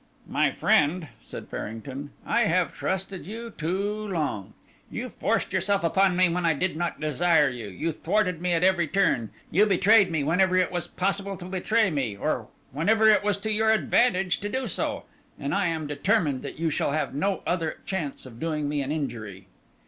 "My friend," said Farrington, "I have trusted you too long. You forced yourself upon me when I did not desire you, you thwarted me at every turn, you betrayed me whenever it was possible to betray me, or whenever it was to your advantage to do so, and I am determined that you shall have no other chance of doing me an injury."